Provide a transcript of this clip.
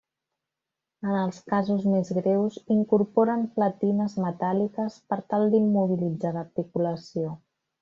En els casos més greus, incorporen platines metàl·liques per tal d'immobilitzar l'articulació.